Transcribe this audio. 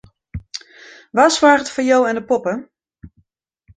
Wa soarget foar jo en de poppe?